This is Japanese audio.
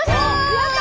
やった！